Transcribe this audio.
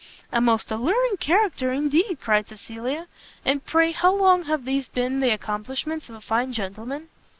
"A most alluring character indeed!" cried Cecilia; "and pray how long have these been the accomplishments of a fine gentleman?"